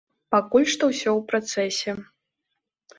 Пакуль што ўсё ў працэсе.